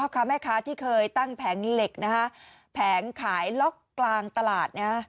ค้าแม่ค้าที่เคยตั้งแผงเหล็กนะฮะแผงขายล็อกกลางตลาดนะฮะ